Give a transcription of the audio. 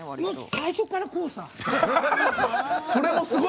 最初から、こうさ。